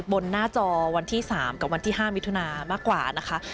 บนหน้าจอวันที่๓กับวันที่๕มิถุนามากกว่านะคะ